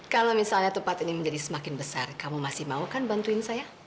kalau misalnya tempat ini menjadi semakin besar kamu masih mau kan bantuin saya